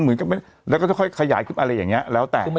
เหมือนกับแล้วก็จะค่อยขยายคลิปอะไรอย่างเงี้ยแล้วแต่มัน